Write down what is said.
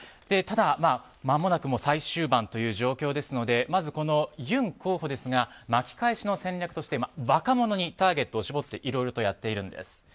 ただ、間もなく最終盤という状況ですのでまず、ユン候補ですが巻き返しの戦略として若者にターゲットを絞っていろいろとやっているんです。